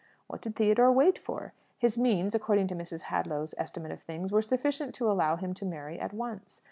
What did Theodore wait for? His means (according to Mrs. Hadlow's estimate of things) were sufficient to allow him to marry at once.